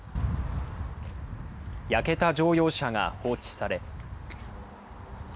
焼けた乗用車が放置され。